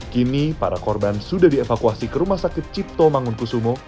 kini para korban sudah dievakuasi ke rumah sakit cipto mangunkusumo